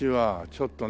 ちょっとね